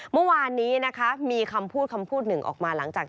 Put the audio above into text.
เมื่อวานนี้มีคำพูดคำพูดหนึ่งออกมา